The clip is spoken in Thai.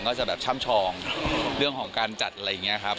ก็จะแบบช่ำชองเรื่องของการจัดอะไรอย่างนี้ครับ